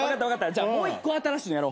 じゃあもう１個新しいのやろう。